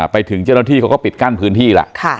ไปถึงเจ้าหน้าที่เขาก็ปิดกั้นพื้นที่แล้ว